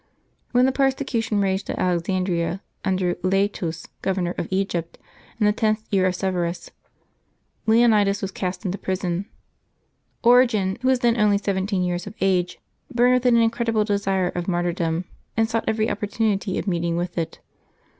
When the persecution raged at Alexandria, under Laetus, governor of Egypt, in the tenth year of Severus, Leonides was cast into prison. Origen, who was then only seven teen years of age, burned with an incredible desire of martyrdom, and sought every opportunity of meeting with it.